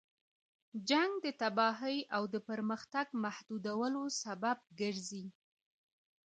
جنګ د تباهۍ او د پرمختګ محدودولو سبب ګرځي.